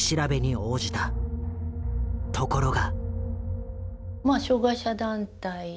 ところが。